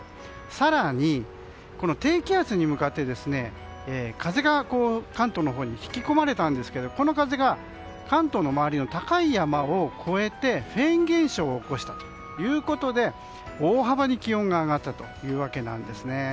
更に、低気圧に向かって風が関東のほうに引き込まれたんですがこの風が関東の周りの高い山を越えてフェーン現象を起こしたということで大幅に気温が上がったというわけなんですね。